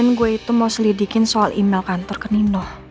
kan gue itu mau selidikin soal email kantor ke nino